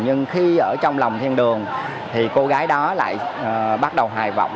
nhưng khi ở trong lòng thiên đường thì cô gái đó lại bắt đầu hài vọng